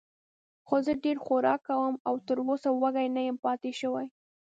خو زه ډېر خوراک کوم او تراوسه وږی نه یم پاتې شوی.